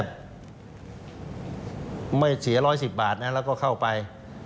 สูงวันทั้งไม่เสีย๑๑๐บาทแล้วก็เข้าไป